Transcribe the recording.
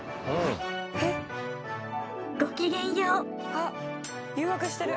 あっ誘惑してる。